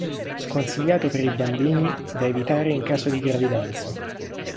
Sconsigliato per i bambini, da evitare in caso di gravidanza.